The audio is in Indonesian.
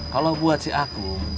kalo buat si akum